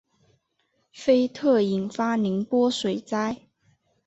菲特引发宁波水灾。